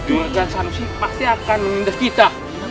dua dan satu pasti akan menindas kita